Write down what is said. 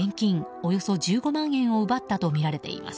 およそ１５万円を奪ったとみられています。